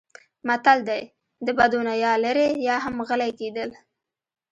متل دی: د بدو نه یا لرې یا هم غلی کېدل.